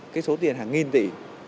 cái số tiền hàng nghìn tỷ